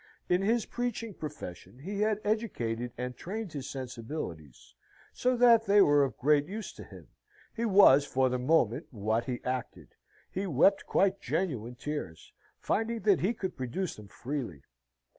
In his preaching profession he had educated and trained his sensibilities so that they were of great use to him; he was for the moment what he acted. He wept quite genuine tears, finding that he could produce them freely.